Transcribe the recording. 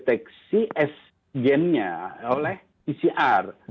antara podcast dan tv yang sudah di berkomunikasi dengan pcr